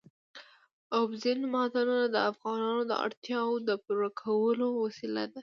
اوبزین معدنونه د افغانانو د اړتیاوو د پوره کولو وسیله ده.